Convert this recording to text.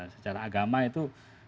secara agama itu